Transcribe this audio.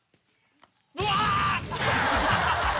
うわ！